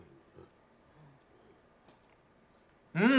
うん！